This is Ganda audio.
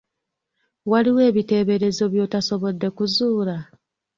Waliwo ebiteeberezo by'otasobodde kuzuula?